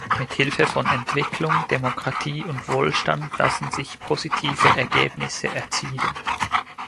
Mit Hilfe von Entwicklung, Demokratie und Wohlstand lassen sich positive Ergebnisse erzielen.